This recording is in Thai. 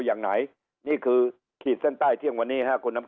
อย่างไหนนี่คือขีดเส้นใต้เที่ยงวันนี้ครับคุณน้ำ